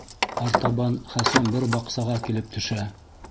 Артабан Хәсән бер баҡсаға килеп төшә.